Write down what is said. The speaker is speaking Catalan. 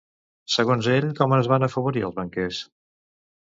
Segons ell, com es van afavorir els banquers?